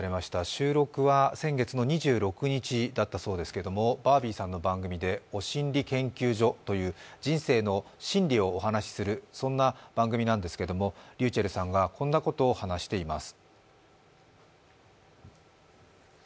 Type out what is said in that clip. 収録は先月の２６日だったそうですけど、バービーさんの番組で「おしんり研究所」という人生の真理をお話する、そんな番組なんですけど、ｒｙｕｃｈｅｌｌさんがこんなことを話しています。